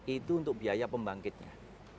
itu untuk biaya pembangkitnya